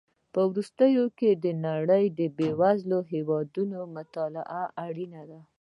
په وروستیو کې د نړۍ د بېوزلو هېوادونو مطالعه اړینه ده.